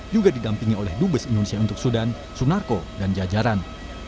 juga didampingi oleh dubes indonesia untuk sudan sunarko dan jajaran